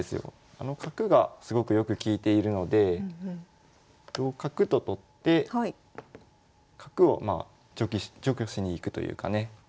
あの角がすごくよく利いているので同角と取って角を除去しに行くというかね。